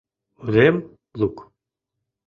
Урем лук.